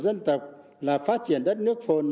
dân tộc là phát triển đất nước phồn